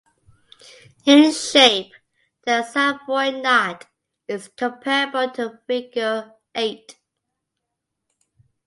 In shape, the Savoy knot is comparable to a figure eight.